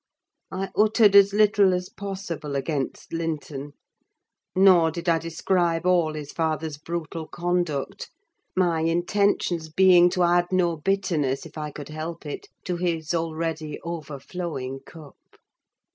I uttered as little as possible against Linton; nor did I describe all his father's brutal conduct—my intentions being to add no bitterness, if I could help it, to his already overflowing cup.